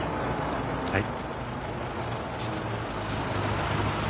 はい。